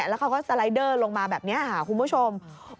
แล้วเขาก็สไลเดอร์ลงมาแบบนี้ค่ะคุณผู้ชม